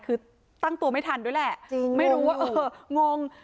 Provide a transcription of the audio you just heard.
คือตั้งตัวไม่ทันด้วยแหละไม่รู้ว่าเอองง